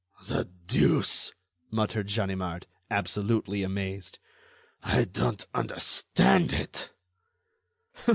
"The deuce!" muttered Ganimard, absolutely amazed, "I don't understand it."